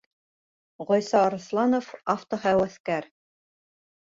Ғайса АРЫҪЛАНОВ, автоһәүәҫкәр: